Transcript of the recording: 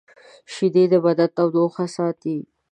شیدې د بدن تودوخه ساتي